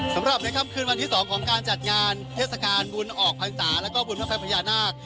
สำหรับในค่ำคืนวันที่๒ของการจัดงานเทศกาลบุญออกพรรษาแล้วก็บุญพระไฟพญานาค